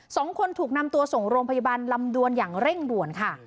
สองคนถูกนำตัวส่งโรงพยาบาลลำดวนอย่างเร่งด่วนค่ะ